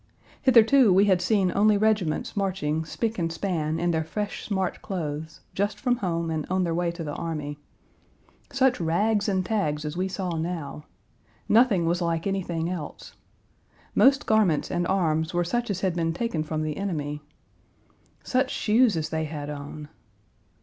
Hitherto we had seen only regiments marching spick and span in their fresh, smart clothes, just from home and on their way to the army. Such rags and tags as we saw now. Nothing was like anything else. Most garments and arms were such as had been taken from the enemy. Such shoes as they had on.